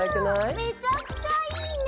めちゃくちゃいいね！